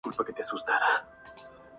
Seoul de Corea del Sur.